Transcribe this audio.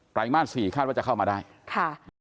รายมาส๔คาดว่าจะเข้ามาได้ค่ะ